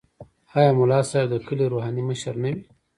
آیا ملا صاحب د کلي روحاني مشر نه وي؟